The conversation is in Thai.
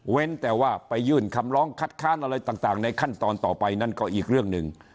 แต่ว่าไปยื่นคำร้องคัดค้านอะไรต่างในขั้นตอนต่อไปนั่นก็อีกเรื่องหนึ่ง